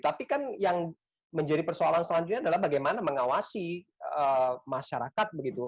tapi kan yang menjadi persoalan selanjutnya adalah bagaimana mengawasi masyarakat begitu